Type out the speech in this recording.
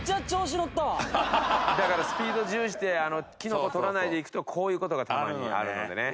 だからスピードを重視してキノコを取らないでいくとこういう事がたまにあるのでね。